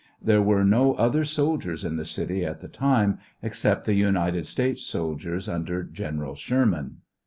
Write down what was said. There were no other soldiers in the city at the time, except the United States soldiers under General Sherman.